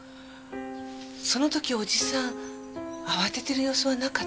その時おじさん慌ててる様子はなかった？